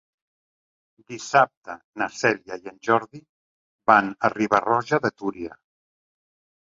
Dissabte na Cèlia i en Jordi van a Riba-roja de Túria.